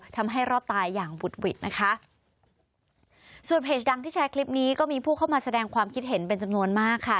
ทำให้รอดตายอย่างบุดหวิดนะคะส่วนเพจดังที่แชร์คลิปนี้ก็มีผู้เข้ามาแสดงความคิดเห็นเป็นจำนวนมากค่ะ